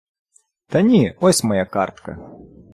Та ні, ось моя картка.